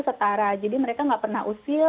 setara jadi mereka nggak pernah usil